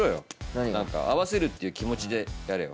何か合わせるっていう気持ちでやれよ